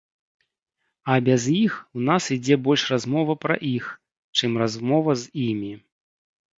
А без іх у нас ідзе больш размова пра іх, чым размова з імі.